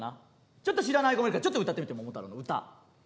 ちょっと知らない子もいるからちょっと歌ってみて「桃太郎」の歌。